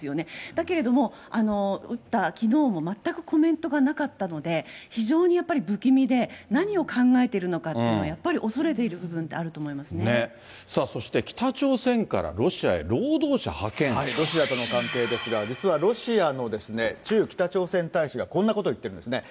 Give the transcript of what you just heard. だけれども、うったきのうも全くコメントがなかったので、非常にやっぱり不気味で、何を考えてるのかというのは、やっぱり恐れている部分ってあるとね、さあそして北朝鮮からロロシアとの関係ですが、実はロシアの駐北朝鮮大使がこんなことを言ってるんですね。